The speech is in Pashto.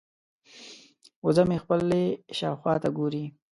وزه مې خپلې شاوخوا ته ګوري.